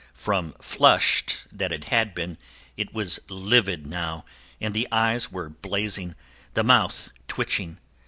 From flushed that it had been it was livid now and the eyes were blazing, the mouth twitching.